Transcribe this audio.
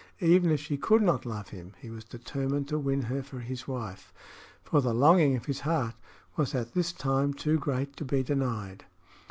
Even if she could not love him, he was determined to win her for his wife, for the longing of his heart was at this time too great to be denied.